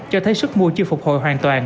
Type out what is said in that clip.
cho thấy sức mua chưa phục hồi